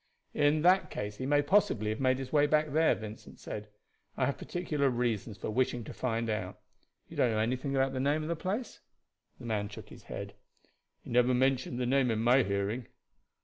"In that case he may possibly have made his way back there," Vincent said. "I have particular reasons for wishing to find out. You don't know anything about the name of the place?" The man shook his head. "He never mentioned the name in my hearing."